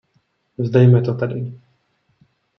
Vzdejme to tedy.